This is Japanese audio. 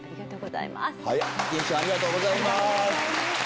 欽ちゃんありがとうございます！